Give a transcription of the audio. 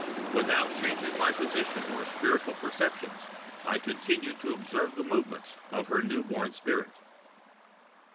Without changing my position or spiritual perceptions I continued to observe the movements of her new born spirit.